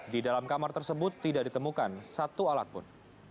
di dalam kamar tersebut tidak ditemukan satu alat pun